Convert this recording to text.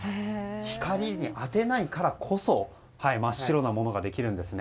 光に当てないからこそ真っ白なものができるんですね。